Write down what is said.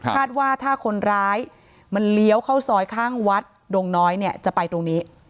คาดว่าถ้าคนร้ายมันเลี้ยวเข้าซอยข้างวัดดงน้อยเนี่ยจะไปตรงนี้